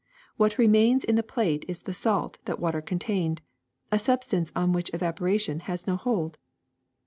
AVhat remains in the plate is the salt that water contained, a substance on which evap oration has no hold.